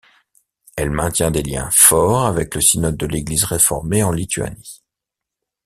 Elle maintient des liens forts avec le Synode de l'Église réformée en Lituanie.